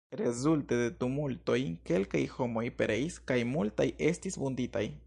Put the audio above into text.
Rezulte de tumultoj kelkaj homoj pereis kaj multaj estis vunditaj.